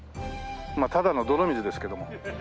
まあただの泥水ですけども。